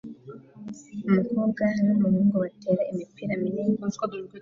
Umukobwa n'umuhungu batera imipira minini